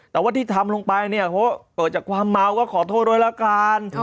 แต่ว่าที่ทำลงไปเนี่ยเกิดจากความเมาก็ขอโทษด้วยละกัน